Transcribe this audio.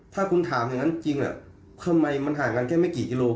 ถ้าคุณถามอย่างนั้นจริงทำไมมันห่างกันแค่ไม่กี่กิโล